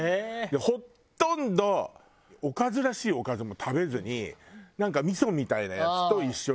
ほとんどおかずらしいおかずも食べずになんか味噌みたいなやつと一緒にとか。